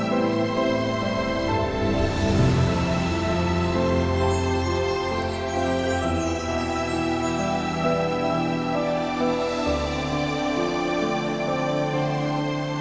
อืม